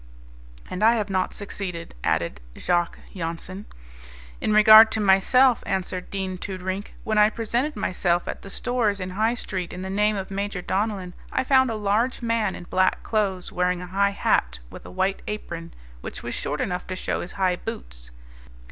"And I have not succeeded," added Jacques Jansen. "In regard to myself," answered Dean Toodrink, "when I presented myself at the stores in High Street in the name of Major Donellan I found a large man in black clothes, wearing a high hat, with a white apron, which was short enough to show his high boots.